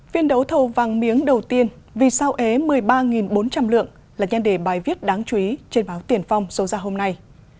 phiên đấu thầu vàng miếng đầu tiên vì sao ế một mươi ba bốn trăm linh lượng là nhân đề bài viết đáng chú ý trên báo tiền phong số ra hôm nay